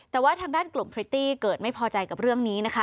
แต่ว่าทางด้านกลุ่มพริตตี้เกิดไม่พอใจกับเรื่องนี้นะคะ